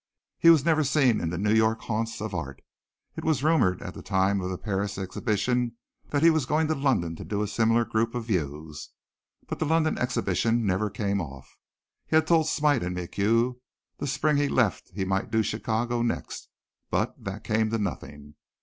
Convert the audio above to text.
He was never seen in the New York haunts of art! It was rumored at the time of the Paris exhibition that he was going to London to do a similar group of views, but the London exhibition never came off. He had told Smite and MacHugh the spring he left that he might do Chicago next, but that came to nothing.